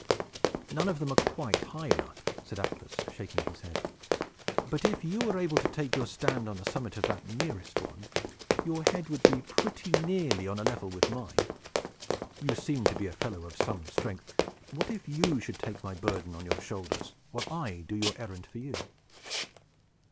"None of them are quite high enough," said Atlas, shaking his head. "But, if you were to take your stand on the summit of that nearest one, your head would be pretty nearly on a level with mine. You seem to be a fellow of some strength. What if you should take my burden on your shoulders, while I do your errand for you?"